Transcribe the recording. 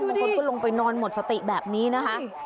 คนเข้าลงไปนอนหมดสติแบบนี้นะคะ